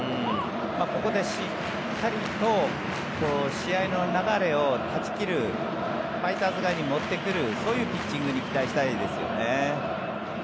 ここでしっかりと試合の流れを断ち切るファイターズ側に持ってくるそういうピッチングに期待したいですよね。